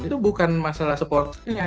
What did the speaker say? itu bukan masalah supporternya